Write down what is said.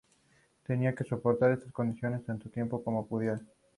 Tenían que soportar estas condiciones tanto tiempo como pudieran.